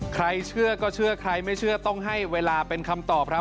ใครเชื่อก็เชื่อใครไม่เชื่อต้องให้เวลาเป็นคำตอบครับ